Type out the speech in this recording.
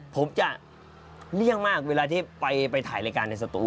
ผมจะเลี่ยงมากเวลาที่ไปถ่ายรายการในสตู